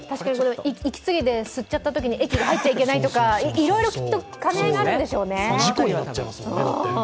息継ぎで吸っちゃったときに液が入っちゃいけないとかいろいろきっと兼ね合いがあるんでしょうね。